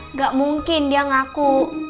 nggak mungkin dia ngaku